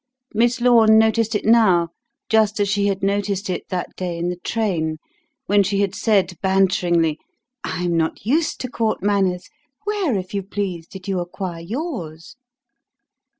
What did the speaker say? Miss Lorne noticed it now, just as she had noticed it that day in the train when she had said banteringly: "I am not used to Court manners. Where, if you please, did you acquire yours?"